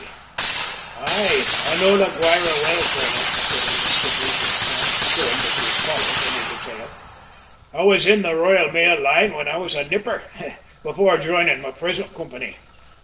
"Aye, I know La Guayra well, colonel," put in the skipper at this point, showing that he was following every detail. "I was in the Royal Mail Line when I was a nipper, before joining my present company."